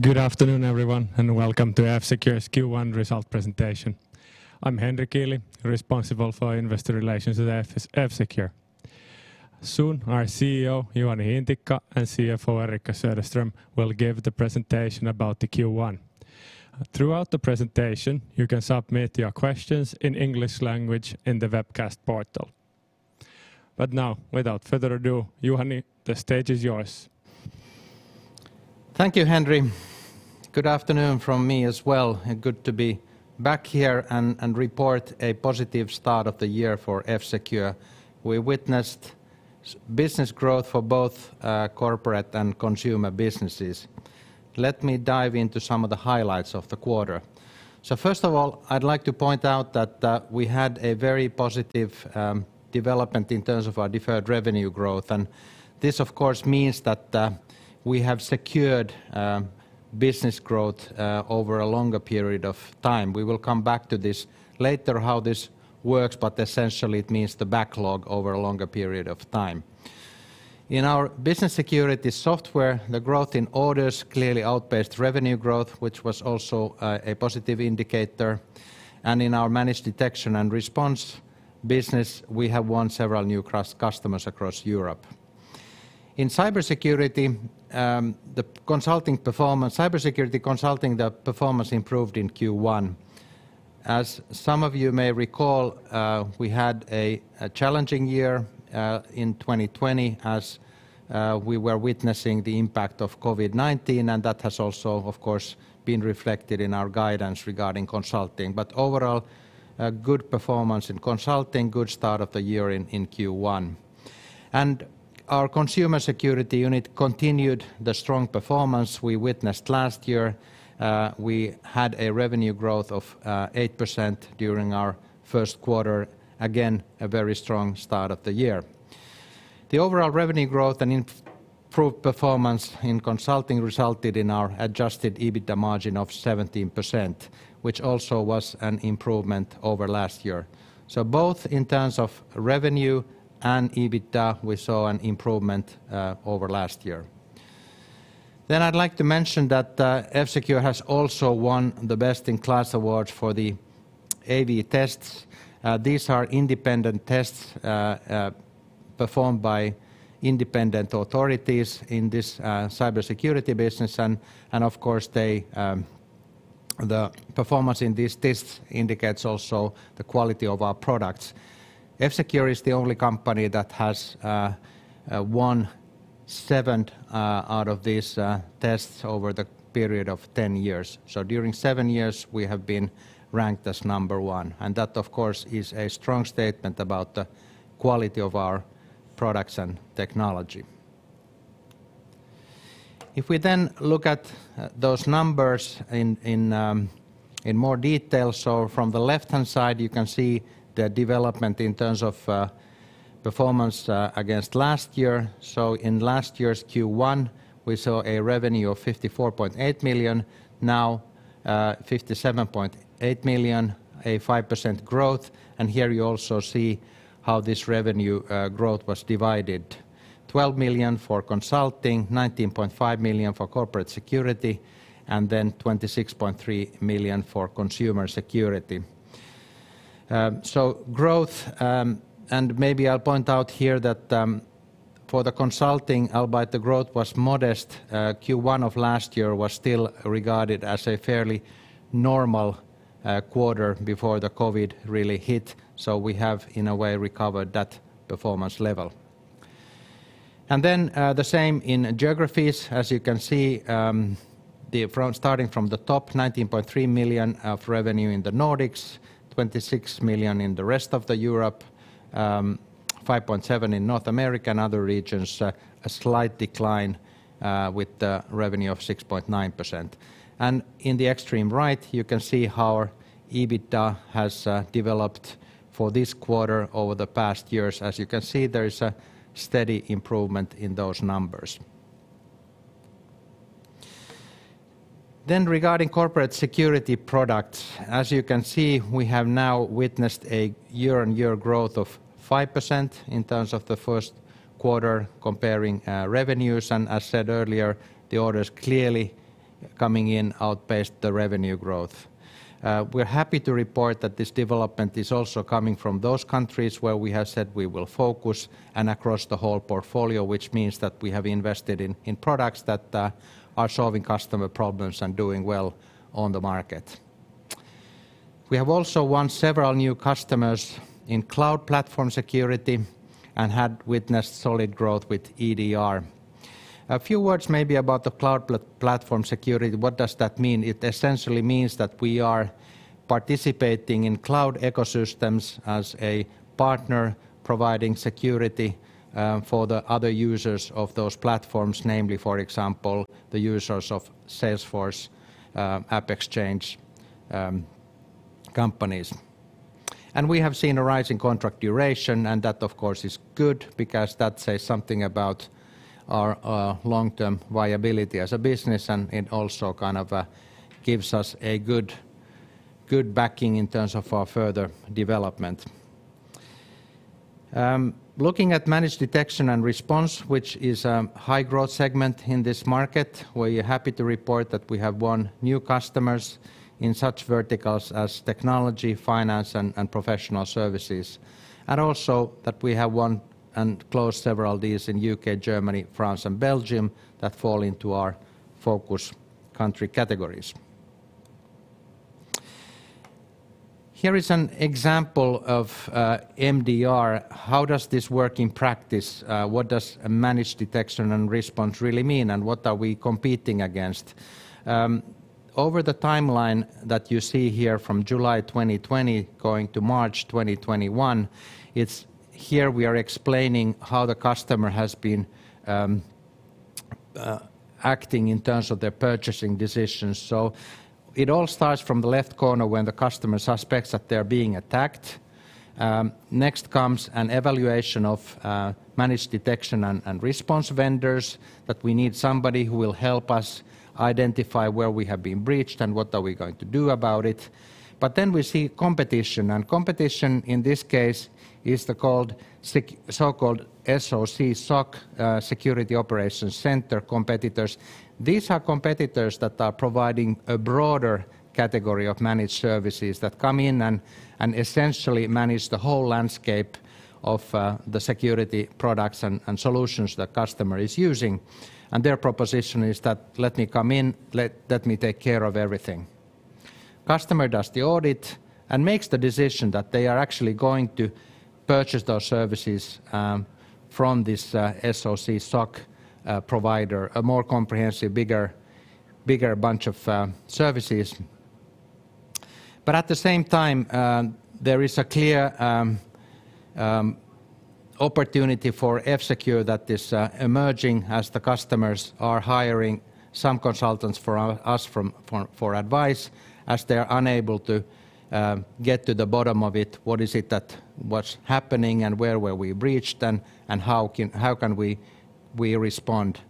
Good afternoon, everyone, welcome to F-Secure's Q1 result presentation. I'm Henri Kiili, responsible for investor relations at F-Secure. Soon, our CEO, Juhani Hintikka, and CFO, Eriikka Söderström, will give the presentation about the Q1. Throughout the presentation, you can submit your questions in English language in the webcast portal. Now, without further ado, Juhani, the stage is yours. Thank you, Henri. Good afternoon from me as well, and good to be back here and report a positive start of the year for F-Secure. We witnessed business growth for both corporate and consumer businesses. Let me dive into some of the highlights of the quarter. First of all, I'd like to point out that we had a very positive development in terms of our deferred revenue growth. This, of course, means that we have secured business growth over a longer period of time. We will come back to this later, how this works, but essentially it means the backlog over a longer period of time. In our business security software, the growth in orders clearly outpaced revenue growth, which was also a positive indicator. In our managed detection and response business, we have won several new customers across Europe. In cybersecurity consulting, the performance improved in Q1. As some of you may recall, we had a challenging year in 2020 as we were witnessing the impact of COVID-19, and that has also, of course, been reflected in our guidance regarding consulting. Overall, a good performance in consulting, good start of the year in Q1. Our consumer security unit continued the strong performance we witnessed last year. We had a revenue growth of 8% during our Q1. Again, a very strong start of the year. The overall revenue growth and improved performance in consulting resulted in our adjusted EBITDA margin of 17%, which also was an improvement over last year. Both in terms of revenue and EBITDA, we saw an improvement over last year. I'd like to mention that F-Secure has also won the AV-TEST Best Protection Award. These are independent tests performed by independent authorities in this cybersecurity business. Of course, the performance in this test indicates also the quality of our products. F-Secure is the only company that has won seven out of these tests over the period of 10 years. During seven years, we have been ranked as number one. That, of course, is a strong statement about the quality of our products and technology. If we look at those numbers in more detail. From the left-hand side, you can see the development in terms of performance against last year. In last year's Q1, we saw a revenue of 54.8 million, now 57.8 million, a 5% growth. Here you also see how this revenue growth was divided. 12 million for consulting, 19.5 million for corporate security, 26.3 million for consumer security. Growth, and maybe I'll point out here that for the consulting, albeit the growth was modest, Q1 of last year was still regarded as a fairly normal quarter before the COVID really hit. We have, in a way, recovered that performance level. The same in geographies. As you can see, starting from the top, 19.3 million of revenue in the Nordics, 26 million in the rest of Europe, 5.7 million in North America and other regions, a slight decline with the revenue of 6.9%. In the extreme right, you can see how our EBITDA has developed for this quarter over the past years. As you can see, there is a steady improvement in those numbers. Regarding corporate security products, as you can see, we have now witnessed a year-on-year growth of 5% in terms of the Q1 comparing revenues. As said earlier, the orders clearly coming in outpaced the revenue growth. We are happy to report that this development is also coming from those countries where we have said we will focus and across the whole portfolio, which means that we have invested in products that are solving customer problems and doing well on the market. We have also won several new customers in cloud platform security and had witnessed solid growth with EDR. A few words maybe about the cloud platform security. What does that mean? It essentially means that we are participating in cloud ecosystems as a partner providing security for the other users of those platforms, namely, for example, the users of Salesforce AppExchange companies. We have seen a rise in contract duration, and that of course is good because that says something about our long-term viability as a business, and it also kind of gives us a good backing in terms of our further development. Looking at managed detection and response, which is a high growth segment in this market, we are happy to report that we have won new customers in such verticals as technology, finance, and professional services. Also that we have won and closed several deals in U.K., Germany, France and Belgium that fall into our focus country categories. Here is an example of MDR. How does this work in practice? What does managed detection and response really mean, and what are we competing against? Over the timeline that you see here from July 2020 going to March 2021, here we are explaining how the customer has been acting in terms of their purchasing decisions. It all starts from the left corner when the customer suspects that they're being attacked. Next comes an evaluation of managed detection and response vendors, that we need somebody who will help us identify where we have been breached and what are we going to do about it. We see competition, and competition in this case is the so-called SOC, Security Operations Center, competitors. These are competitors that are providing a broader category of managed services that come in and essentially manage the whole landscape of the security products and solutions the customer is using, and their proposition is that "Let me come in. Let me take care of everything." Customer does the audit and makes the decision that they are actually going to purchase those services from this SOC provider, a more comprehensive, bigger bunch of services. At the same time, there is a clear opportunity for F-Secure that is emerging as the customers are hiring some consultants for us for advice, as they're unable to get to the bottom of it. What is it that was happening and where were we breached and how can we respond?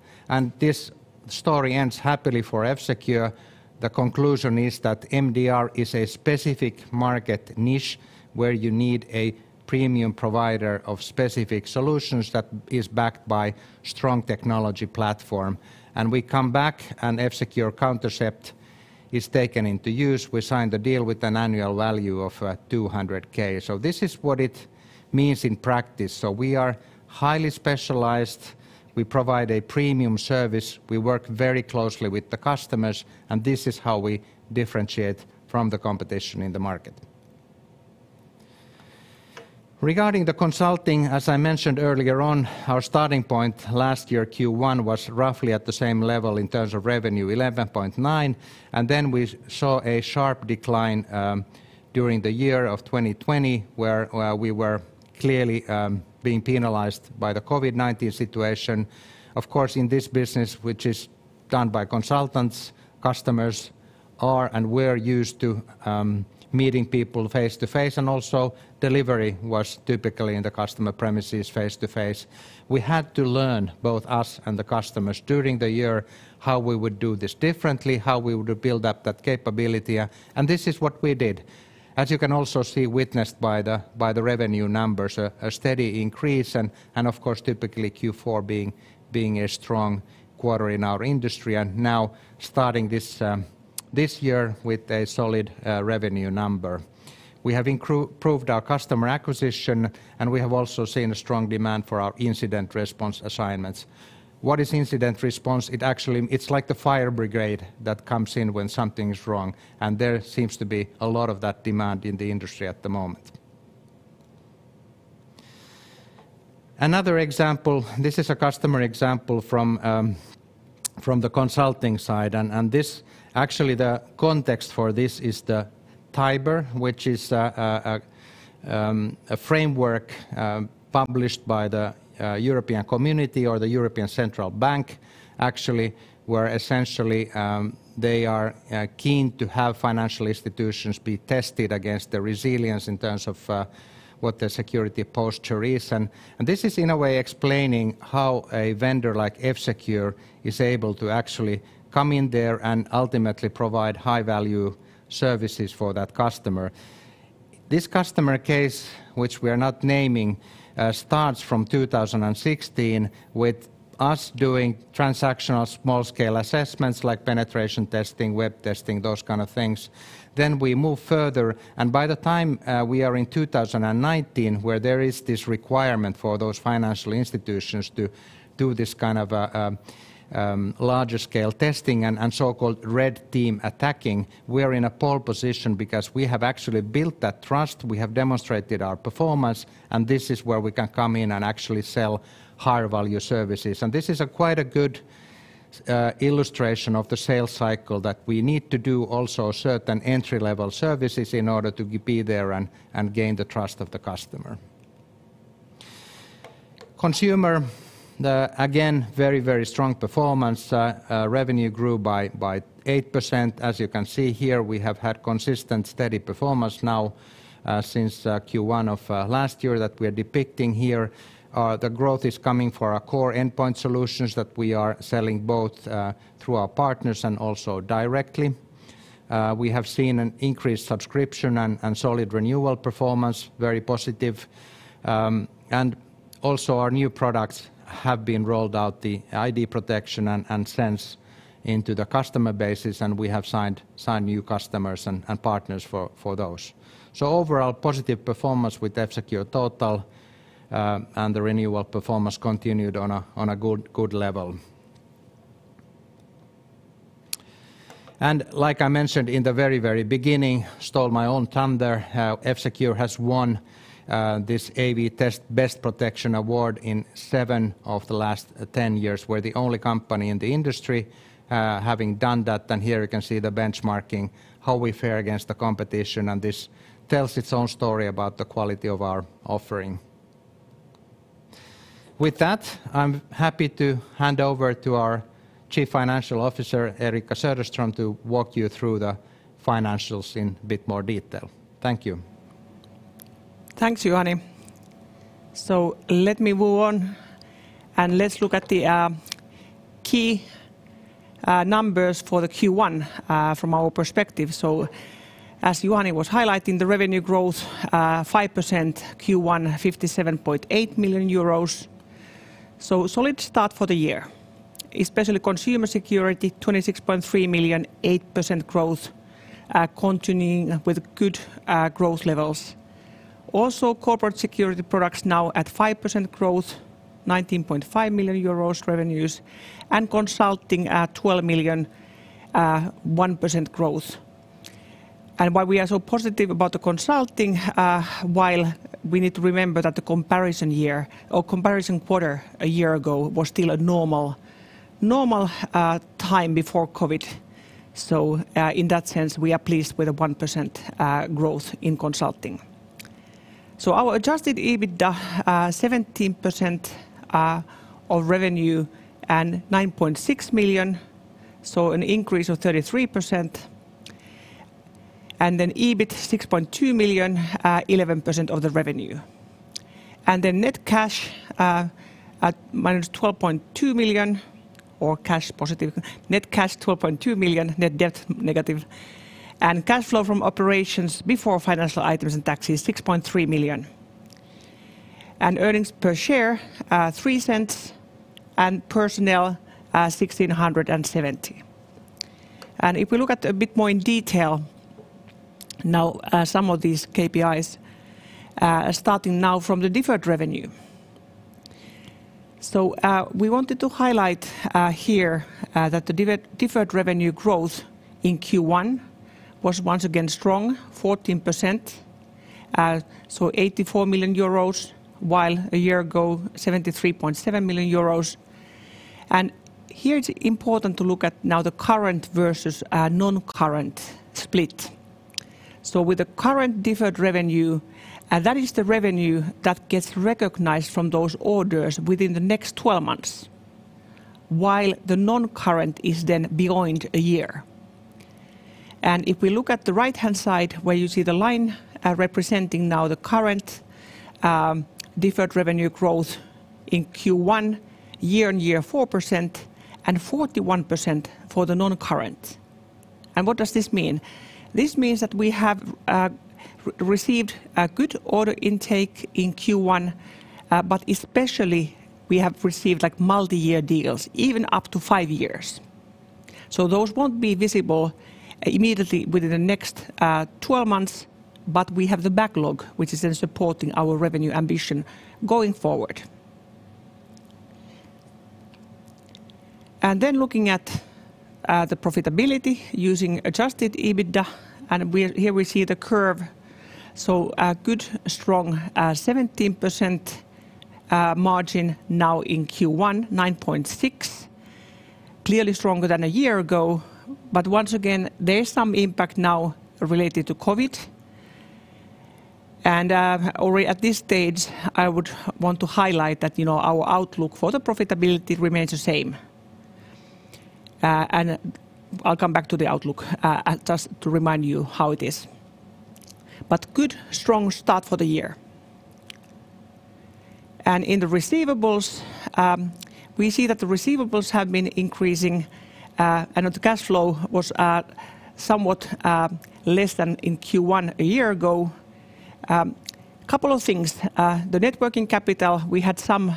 This story ends happily for F-Secure. The conclusion is that MDR is a specific market niche where you need a premium provider of specific solutions that is backed by strong technology platform. We come back and F-Secure Countercept is taken into use. We signed the deal with an annual value of 200K. This is what it means in practice. We are highly specialized. We provide a premium service. We work very closely with the customers, and this is how we differentiate from the competition in the market. Regarding the consulting, as I mentioned earlier on, our starting point last year Q1 was roughly at the same level in terms of revenue, 11.9, and then we saw a sharp decline during the year of 2020, where we were clearly being penalized by the COVID-19 situation. Of course, in this business, which is done by consultants, customers are and were used to meeting people face-to-face, and also delivery was typically in the customer premises face-to-face. We had to learn, both us and the customers during the year, how we would do this differently, how we would build up that capability, and this is what we did. As you can also see, witnessed by the revenue numbers, a steady increase and, of course, typically Q4 being a strong quarter in our industry, and now starting this year with a solid revenue number. We have improved our customer acquisition. We have also seen a strong demand for our incident response assignments. What is incident response? It's like the fire brigade that comes in when something's wrong. There seems to be a lot of that demand in the industry at the moment. Another example. This is a customer example from the consulting side. Actually the context for this is the TIBER, which is a framework published by the European Community or the European Central Bank, actually, where essentially, they are keen to have financial institutions be tested against the resilience in terms of what their security posture is. This is in a way explaining how a vendor like F-Secure is able to actually come in there and ultimately provide high-value services for that customer. This customer case, which we are not naming, starts from 2016 with us doing transactional small-scale assessments like penetration testing, web testing, those kind of things. We move further, and by the time we are in 2019, where there is this requirement for those financial institutions to do this kind of larger scale testing and so-called Red Team attacking, we are in a pole position because we have actually built that trust. We have demonstrated our performance, and this is where we can come in and actually sell higher value services. This is quite a good illustration of the sales cycle that we need to do also certain entry-level services in order to be there and gain the trust of the customer. Consumer, again, very strong performance. Revenue grew by 8%. As you can see here, we have had consistent, steady performance now since Q1 of last year that we are depicting here. The growth is coming for our core endpoint solutions that we are selling both through our partners and also directly. We have seen an increased subscription and solid renewal performance, very positive. Also our new products have been rolled out, the ID Protection and Sense, into the customer bases, and we have signed new customers and partners for those. Overall, positive performance with F-Secure Total, and the renewal performance continued on a good level. Like I mentioned in the very beginning, stole my own thunder, F-Secure has won this AV-TEST Best Protection Award in seven of the last 10 years. We're the only company in the industry having done that. Here you can see the benchmarking, how we fare against the competition, and this tells its own story about the quality of our offering. With that, I'm happy to hand over to our Chief Financial Officer, Eriikka Söderström, to walk you through the financials in a bit more detail. Thank you. Thanks, Juhani. Let me move on, let's look at the key numbers for the Q1 from our perspective. As Juhani was highlighting, the revenue growth 5%, Q1 57.8 million euros. Solid start for the year. Especially Consumer Security, 26.3 million, 8% growth, continuing with good growth levels. Corporate Security products now at 5% growth, 19.5 million euros revenues, and Consulting at 12 million, 1% growth. Why we are so positive about the Consulting, while we need to remember that the comparison year or comparison quarter a year ago was still a normal time before COVID-19, in that sense, we are pleased with the 1% growth in Consulting. Our adjusted EBITDA, 17% of revenue and 9.6 million, an increase of 33%. EBIT, 6.2 million, 11% of the revenue. The net cash at -12.2 million, or cash positive. Net cash 12.2 million, net debt negative, cash flow from operations before financial items and taxes, 6.3 million. Earnings per share, 0.03, personnel 1,670. If we look at a bit more in detail now some of these KPIs, starting now from the deferred revenue. We wanted to highlight here that the deferred revenue growth in Q1 was once again strong, 14%, 84 million euros, while a year ago, 73.7 million euros. Here it's important to look at now the current versus non-current split. With the current deferred revenue, that is the revenue that gets recognized from those orders within the next 12 months, while the non-current is then beyond a year. If we look at the right-hand side where you see the line representing now the current deferred revenue growth in Q1, year-on-year 4%, 41% for the non-current. What does this mean? This means that we have received a good order intake in Q1, especially we have received multi-year deals, even up to five years. Those won't be visible immediately within the next 12 months, we have the backlog, which is supporting our revenue ambition going forward. Looking at the profitability using adjusted EBITDA, here we see the curve. A good, strong 17% margin now in Q1, 9.6. Clearly stronger than a year ago. Once again, there is some impact now related to COVID, already at this stage, I would want to highlight that our outlook for the profitability remains the same. I'll come back to the outlook just to remind you how it is. Good, strong start for the year. In the receivables, we see that the receivables have been increasing, and the cash flow was somewhat less than in Q1 a year ago. Couple of things. The net working capital, we had some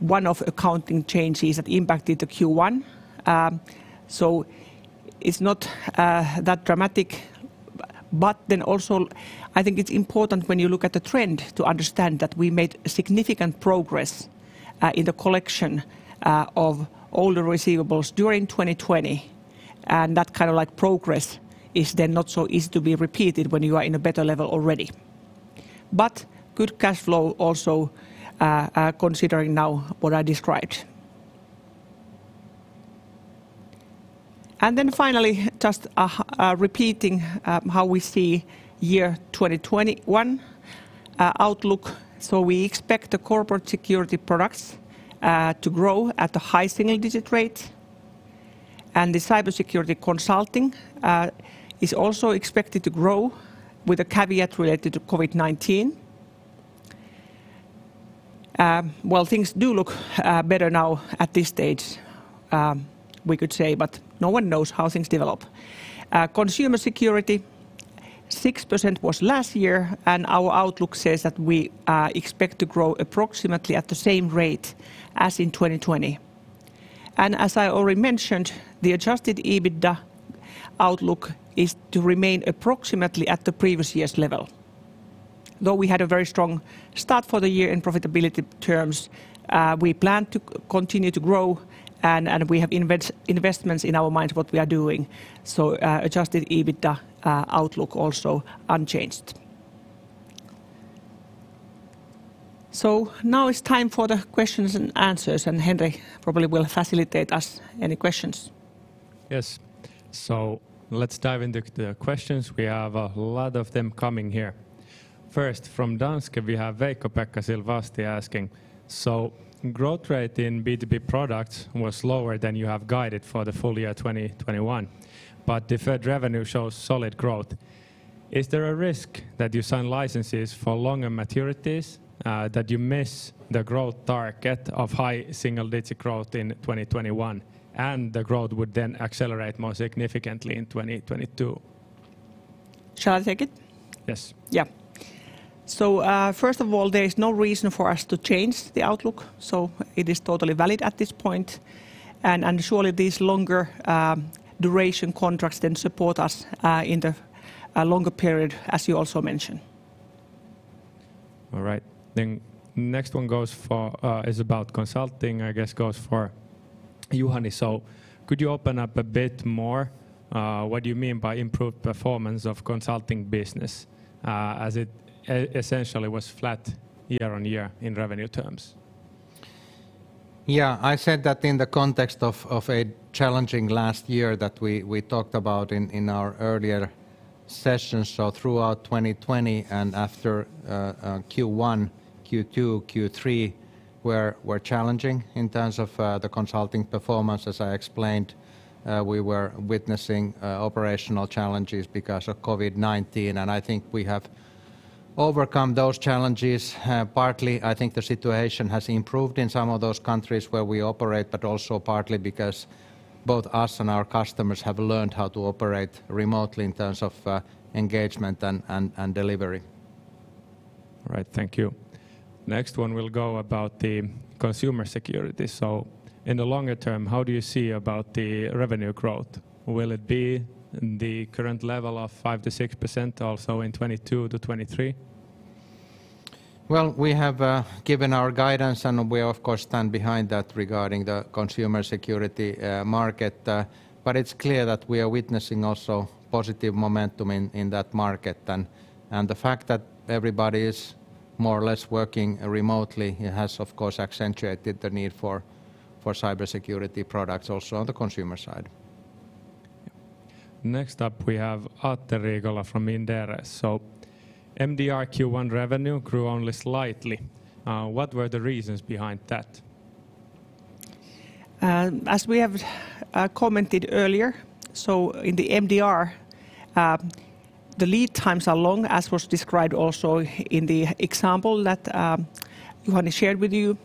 one-off accounting changes that impacted the Q1. It's not that dramatic. I think it's important when you look at the trend to understand that we made significant progress in the collection of all the receivables during 2020, and that kind of progress is then not so easy to be repeated when you are in a better level already. Good cash flow also considering now what I described. Finally, just repeating how we see year 2021 outlook. We expect the Corporate Security products to grow at a high single-digit rate. The cybersecurity consulting is also expected to grow with a caveat related to COVID-19. Well, things do look better now at this stage, we could say, but no one knows how things develop. Consumer security, 6% was last year, and our outlook says that we expect to grow approximately at the same rate as in 2020. As I already mentioned, the adjusted EBITDA outlook is to remain approximately at the previous year's level. Though we had a very strong start for the year in profitability terms, we plan to continue to grow, and we have investments in our minds what we are doing. Adjusted EBITDA outlook also unchanged. Now it's time for the questions and answers, and Henri probably will facilitate us any questions. Yes. Let's dive into the questions. We have a lot of them coming here. First, from Danske, we h`ave Veikko-Pekka Silvasti asking, "So growth rate in B2B products was lower than you have guided for the full year 2021, but deferred revenue shows solid growth. Is there a risk that you sign licenses for longer maturities that you miss the growth target of high single-digit growth in 2021, and the growth would then accelerate more significantly in 2022? Shall I take it? Yes. Yeah. First of all, there is no reason for us to change the outlook, so it is totally valid at this point. Surely these longer duration contracts then support us in the longer period, as you also mentioned. All right. Next one is about consulting, I guess goes for Juhani. Could you open up a bit more what you mean by improved performance of consulting business, as it essentially was flat year-on-year in revenue terms? Yeah. I said that in the context of a challenging last year that we talked about in our earlier sessions. Throughout 2020 and after Q1, Q2, Q3 were challenging in terms of the consulting performance. As I explained, we were witnessing operational challenges because of COVID-19, and I think we have overcome those challenges. Partly, I think the situation has improved in some of those countries where we operate, but also partly because both us and our customers have learned how to operate remotely in terms of engagement and delivery. All right. Thank you. Next one will go about the consumer security. In the longer term, how do you see about the revenue growth? Will it be the current level of 5%-6% also in 2022 to 2023? We have given our guidance, and we of course stand behind that regarding the consumer security market. It's clear that we are witnessing also positive momentum in that market. The fact that everybody is more or less working remotely has, of course, accentuated the need for cybersecurity products also on the consumer side. Next up, we have Atte Riikola from Inderes. MDR Q1 revenue grew only slightly. What were the reasons behind that? As we have commented earlier, in the MDR, the lead times are long, as was described also in the example that Juhani shared with you.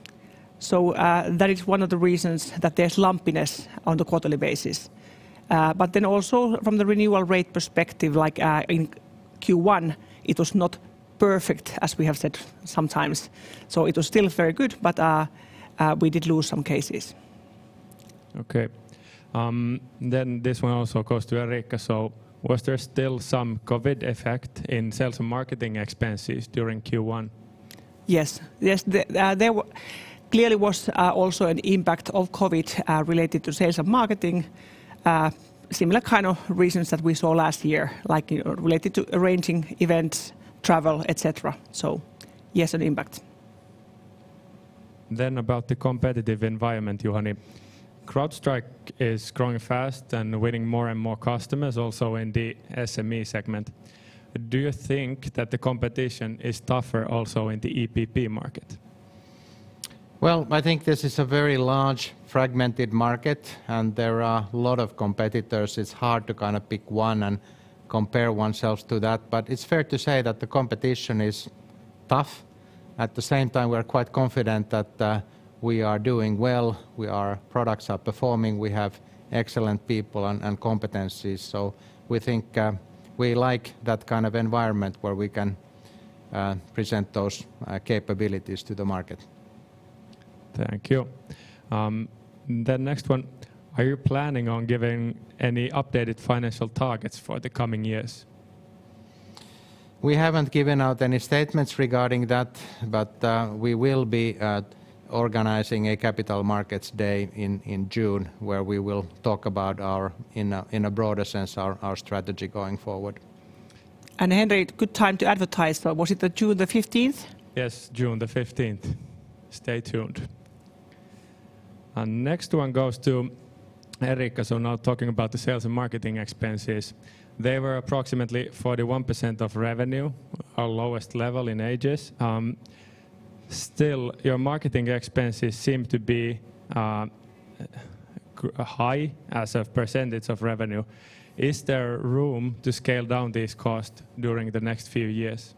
That is one of the reasons that there's lumpiness on the quarterly basis. Also from the renewal rate perspective, like in Q1, it was not perfect, as we have said sometimes. It was still very good, but we did lose some cases. Okay. This one also goes to Eriikka. Was there still some COVID effect in sales and marketing expenses during Q1? Yes. There clearly was also an impact of COVID related to sales and marketing, similar kind of reasons that we saw last year, like related to arranging events, travel, et cetera. Yes, an impact. About the competitive environment, Juhani. CrowdStrike is growing fast and winning more and more customers also in the SME segment. Do you think that the competition is tougher also in the EPP market? Well, I think this is a very large fragmented market, and there are a lot of competitors. It's hard to pick one and compare oneself to that. It's fair to say that the competition is tough. At the same time, we are quite confident that we are doing well. Our products are performing, we have excellent people and competencies. We like that kind of environment where we can present those capabilities to the market. Thank you. The next one. Are you planning on giving any updated financial targets for the coming years? We haven't given out any statements regarding that, but we will be organizing a capital markets day in June where we will talk about, in a broader sense, our strategy going forward. Henri, good time to advertise. Was it June the 15th? Yes, June the 15th. Stay tuned. Next one goes to Eriikka. Now talking about the sales and marketing expenses. They were approximately 41% of revenue, our lowest level in ages. Still, your marketing expenses High as a percentage of revenue. Is there room to scale down this cost during the next few years?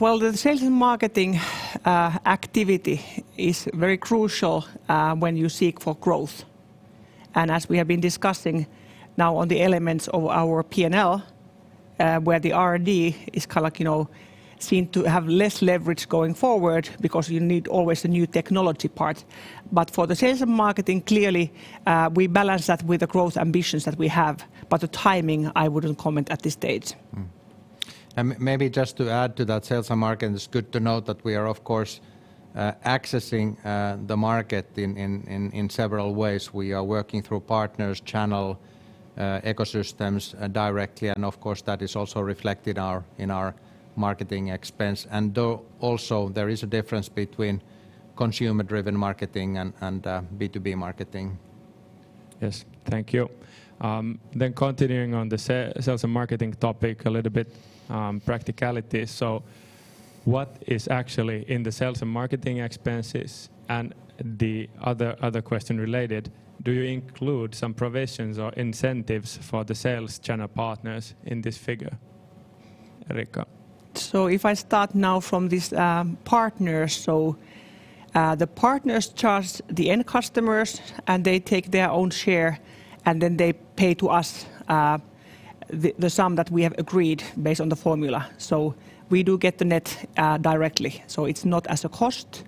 Well, the sales and marketing activity is very crucial when you seek for growth. As we have been discussing now on the elements of our P&L, where the R&D is seen to have less leverage going forward because you need always a new technology part. For the sales and marketing, clearly, we balance that with the growth ambitions that we have. The timing, I wouldn't comment at this stage. Maybe just to add to that sales and marketing, it is good to note that we are, of course, accessing the market in several ways. We are working through partners, channel ecosystems directly, and of course, that is also reflected in our marketing expense. Also, there is a difference between consumer-driven marketing and B2B marketing. Yes. Thank you. Continuing on the sales and marketing topic a little bit, practicality. What is actually in the sales and marketing expenses? The other question related, do you include some provisions or incentives for the sales channel partners in this figure? Eriikka. If I start now from these partners. The partners charge the end customers, and they take their own share, and then they pay to us the sum that we have agreed based on the formula. We do get the net directly, so it's not as a cost.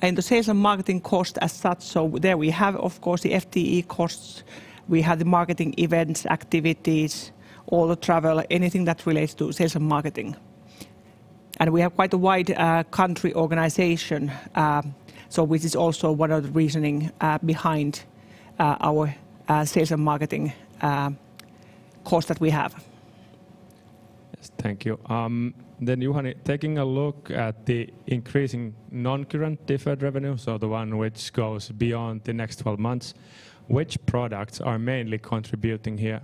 The sales and marketing cost as such, so there we have, of course, the FTE costs, we have the marketing events, activities, all the travel, anything that relates to sales and marketing. We have quite a wide country organization, so which is also one of the reasoning behind our sales and marketing cost that we have. Yes. Thank you. Juhani, taking a look at the increasing non-current deferred revenue, so the one which goes beyond the next 12 months, which products are mainly contributing here?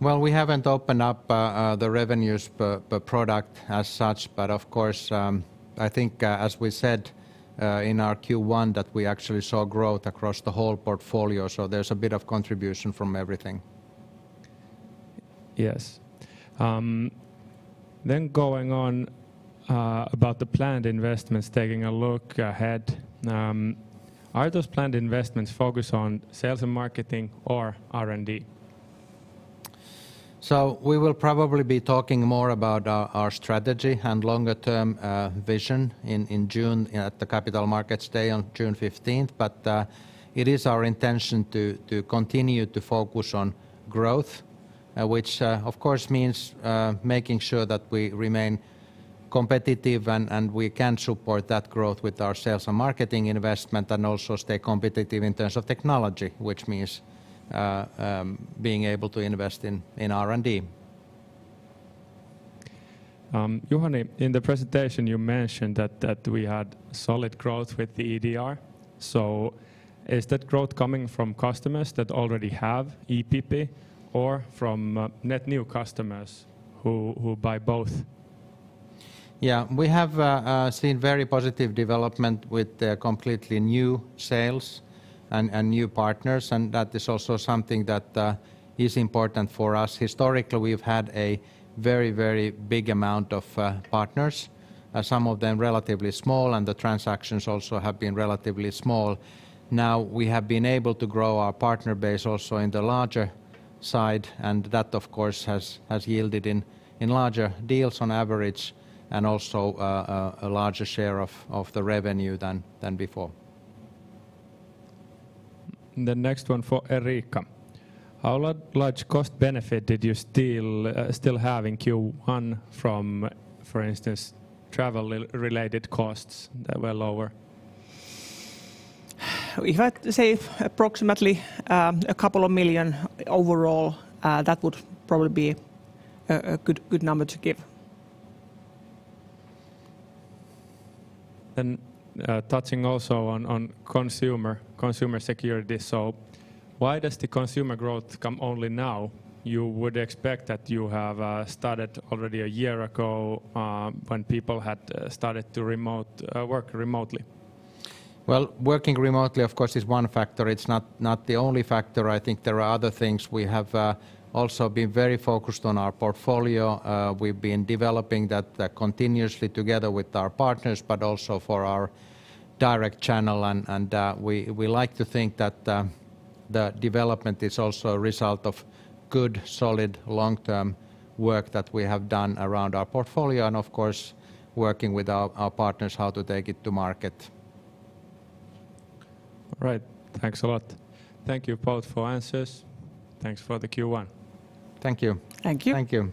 Well, we haven't opened up the revenues per product as such, but of course, I think, as we said in our Q1, that we actually saw growth across the whole portfolio, so there's a bit of contribution from everything. Yes. Going on about the planned investments, taking a look ahead. Are those planned investments focused on sales and marketing or R&D? We will probably be talking more about our strategy and longer-term vision in June at the Capital Markets Day on June 15th. It is our intention to continue to focus on growth, which of course means making sure that we remain competitive, and we can support that growth with our sales and marketing investment and also stay competitive in terms of technology, which means being able to invest in R&D. Juhani, in the presentation, you mentioned that we had solid growth with the EDR. Is that growth coming from customers that already have EPP or from net new customers who buy both? Yeah. We have seen very positive development with completely new sales and new partners. That is also something that is important for us. Historically, we've had a very big amount of partners. Some of them relatively small, and the transactions also have been relatively small. Now we have been able to grow our partner base also in the larger side, and that, of course, has yielded in larger deals on average and also a larger share of the revenue than before. The next one for Eriikka. How large cost benefit did you still have in Q1 from, for instance, travel-related costs that were lower? If I'd say approximately a couple of million overall, that would probably be a good number to give. Touching also on consumer security. Why does the consumer growth come only now? You would expect that you have started already a year ago, when people had started to work remotely. Well, working remotely, of course, is one factor. It's not the only factor. I think there are other things. We have also been very focused on our portfolio. We've been developing that continuously together with our partners, but also for our direct channel. We like to think that the development is also a result of good, solid long-term work that we have done around our portfolio and, of course, working with our partners how to take it to market. All right. Thanks a lot. Thank you both for answers. Thanks for the Q1. Thank you. Thank you. Thank you.